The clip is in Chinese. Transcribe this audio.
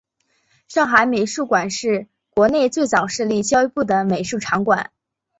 上海美术馆是国内最早设立教育部的美术场馆。